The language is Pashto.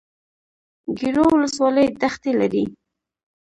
ګیرو ولسوالۍ دښتې لري؟